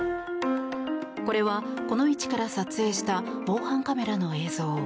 これはこの位置から撮影した防犯カメラの映像。